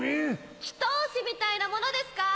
祈祷師みたいなものですかー？